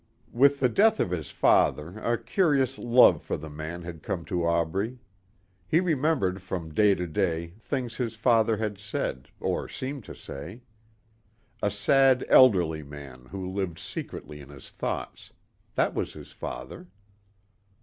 With the death of his father a curious love for the man had come to Aubrey. He remembered from day to day things his father had said, or seemed to say. A sad, elderly man who lived secretly in his thoughts. That was his father.